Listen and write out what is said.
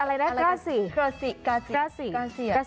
อะไรนะกาเสีย